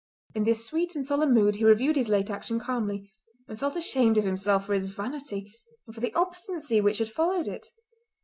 In this sweet and solemn mood he reviewed his late action calmly, and felt ashamed of himself for his vanity and for the obstinacy which had followed it.